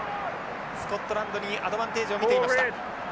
スコットランドにアドバンテージを見ていました。